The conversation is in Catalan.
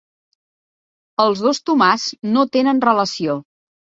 Els dos Tomàs no tenen relació.